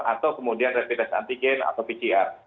atau kemudian repitasi antigen atau pcr